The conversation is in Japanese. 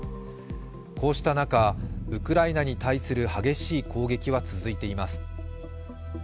こうした中、ウクライナに対する激しい攻撃は続いています。